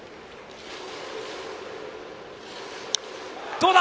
どうだ？